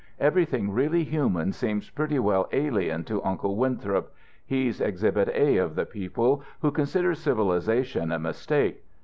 Everything really human seems pretty well alien to Uncle Winthrop. He's exhibit A of the people who consider civilization a mistake.